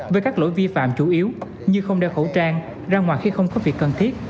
với các lỗi vi phạm chủ yếu như không đeo khẩu trang ra ngoài khi không có việc cần thiết